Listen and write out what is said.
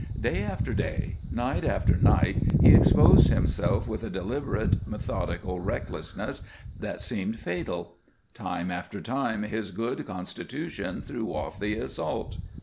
Day after day, night after night, he exposed himself with a deliberate methodical recklessness that seemed fatal; time after time his good constitution threw off the assault.